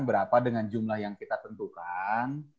berapa dengan jumlah yang kita tentukan